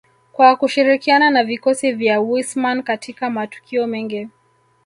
kwa kushirikiana na vikosi vya Wissmann katika matukio mengi